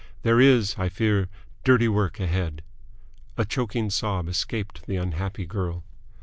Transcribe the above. There is, I fear, dirty work ahead." A choking sob escaped the unhappy girl.